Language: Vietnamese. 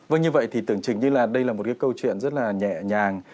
vâng như vậy thì tưởng chừng như là đây là một cái câu chuyện rất là nhẹ nhàng